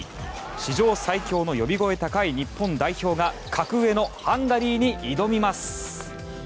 史上最強の呼び声高い日本代表が格上のハンガリーに挑みます。